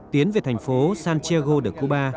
tiến về thành phố santiago de cuba